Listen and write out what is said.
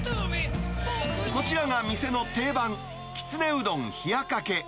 こちらが店の定番、きつねうどん冷かけ。